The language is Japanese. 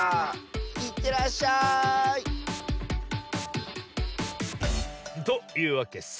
いってらっしゃい！というわけさ。